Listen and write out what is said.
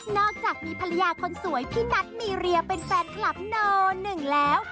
อกจากมีภรรยาคนสวยพี่นัทมีเรียเป็นแฟนคลับนหนึ่งแล้ว